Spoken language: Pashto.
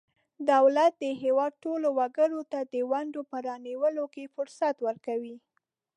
دولت د هیواد ټولو وګړو ته د ونډو په رانیولو کې فرصت ورکوي.